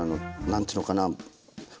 何ていうのかな